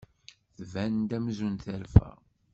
Tban-d amzun terfa.